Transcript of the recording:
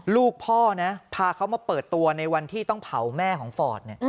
ลูกพ่อนะพาเขามาเปิดตัวในวันที่ต้องเผาแม่ของฟอร์ด